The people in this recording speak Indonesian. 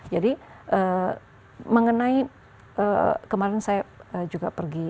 jadi mengenai kemarin saya juga pergi